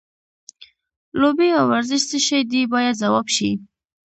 لوبې او ورزش څه شی دی باید ځواب شي.